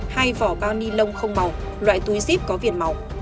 hai vỏ bao ni lông không màu loại túi zip có việt màu